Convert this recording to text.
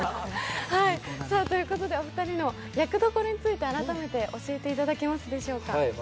お二人の役どころについて、改めて教えていただけますでしょか？